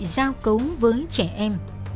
giao cấu với trẻ em